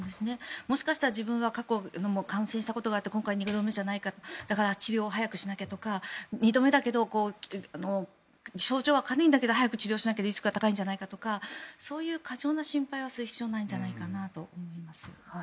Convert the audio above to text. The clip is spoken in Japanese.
もしかしたら感染したのは今回２度目じゃないかだから治療を早くしなきゃとか２度目だけど症状は軽いんだけど早く治療しないとリスクが高いんじゃないかとかそういう過剰な心配はする必要がないんじゃないかなと思います。